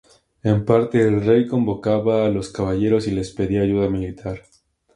En parte, el rey convocaba a los caballeros y les pedía ayuda militar.